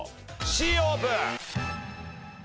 Ｃオープン。